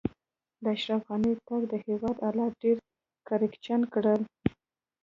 د اشرف غني تګ؛ د هېواد حالات ډېر کړکېچن کړل.